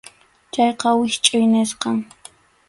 Chayqa wischʼuy nisqam.